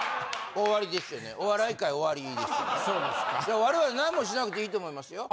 我々何もしなくていいと思いますよ。